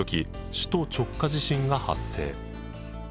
首都直下地震が発生。